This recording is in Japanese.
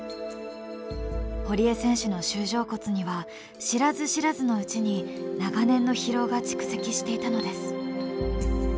堀江選手の舟状骨には知らず知らずのうちに長年の疲労が蓄積していたのです。